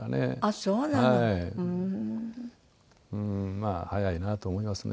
まあ早いなと思いますね。